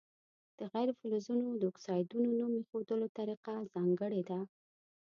د غیر فلزونو د اکسایدونو نوم ایښودلو طریقه ځانګړې ده.